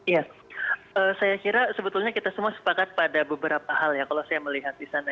ya saya kira sebetulnya kita semua sepakat pada beberapa hal ya kalau saya melihat di sana